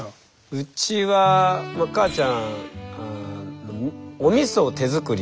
うちは母ちゃんおみそを手作りしてたので